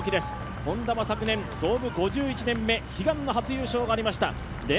Ｈｏｎｄａは昨年創部５１年目悲願の初優勝がありました。